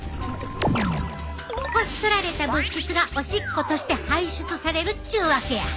こし取られた物質がおしっことして排出されるっちゅうわけや。